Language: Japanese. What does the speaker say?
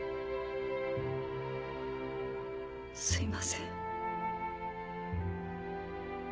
すいません。